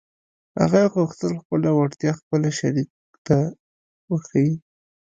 هغه غوښتل خپله وړتيا خپل شريک ته وښيي.